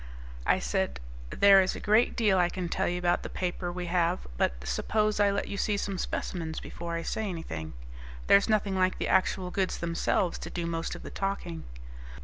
I said, "There is a great deal I can tell you about the paper we have, but suppose I let you see some specimens before I say anything. There's nothing like the actual goods themselves to do most of the talking."